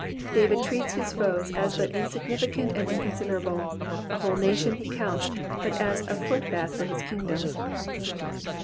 David treats his foes as but insignificant and inconsiderable ; a whole nation he counts but as a footbath for his kingdom.